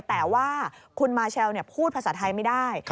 แต่ว่าคุณมาเชลพูดภาษาไทยไม่ได้